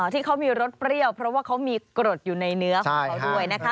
ที่เขามีรสเปรี้ยวเพราะว่าเขามีกรดอยู่ในเนื้อของเขาด้วยนะคะ